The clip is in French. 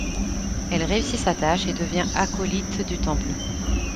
Elle réussit sa tâche et devient acolyte du temple.